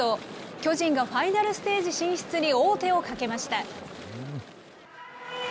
巨人がファイナルステージ進出に王手をかけました。